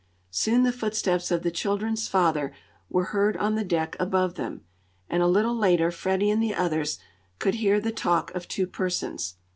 Soon the footsteps of the children's father were heard on the deck above them, and, a little later Freddie and the others could hear the talk of two persons.